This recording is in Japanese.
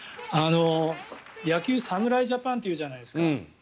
野球、侍ジャパンっていうじゃないですか。